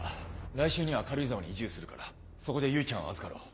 来週には軽井沢に移住するからそこで唯ちゃんは預かろう。